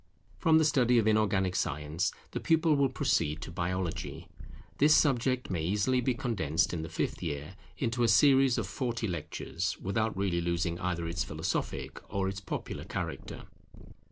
From the study of inorganic science, the pupil will proceed to Biology: this subject may easily be condensed in the fifth year into a series of forty lectures, without really losing either its philosophic or its popular character.